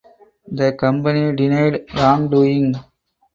The company denied wrongdoing.